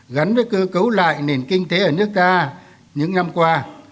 gắn với cơ cấu lại nền kinh tế ở nước ta những năm qua